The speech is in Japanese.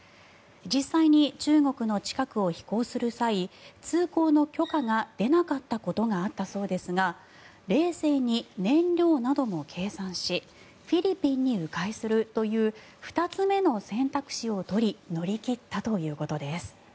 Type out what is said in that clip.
実際に、中国の近くを飛行する際通行の許可が出なかったことがあったそうですが冷静に燃料なども計算しフィリピンに迂回するという２つ目の選択肢を取り乗り切ったということです。